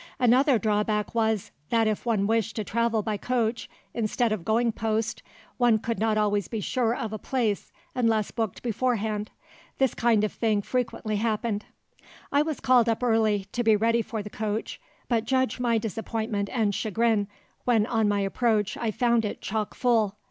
Another drawback was, that if one wished to travel by coach instead of going post, one could not always be sure of a place unless booked beforehand. This kind of thing frequently happened— "I was called up early—to be ready for the coach, but judge my disappointment and chagrin, when on my approach I found it chock full.